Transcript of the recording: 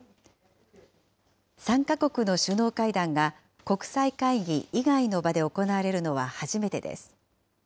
３か国の首脳会談が国際会議以外の場で行われるのは初めてです。